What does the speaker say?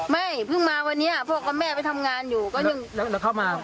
ไม่เพิ่งมาวันนี้พ่อกับแม่ไปทำงานอยู่ก็ยังเข้ามา